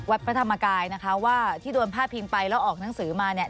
พระธรรมกายนะคะว่าที่โดนพาดพิงไปแล้วออกหนังสือมาเนี่ย